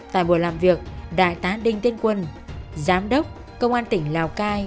tại buổi làm việc đại tá đinh tiên quân giám đốc công an tỉnh lào cai